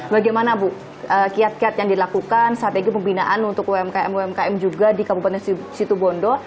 bagaimana bu kiat kiat yang dilakukan strategi pembinaan untuk umkm umkm juga di kabupaten situbondo